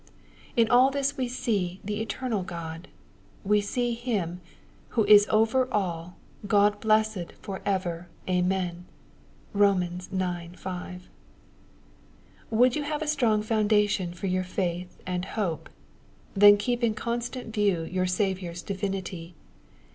In all this we see " the eternal God" We see Him " who is over aU, God blessed for ever. Amen." (Bom. ix. 6.) Would you have a strong foundation for your faith and hope ? Then keep in constant view your Saviour's divinity.